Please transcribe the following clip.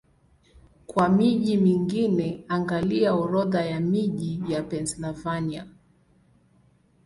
Kwa miji mingine, angalia Orodha ya miji ya Pennsylvania.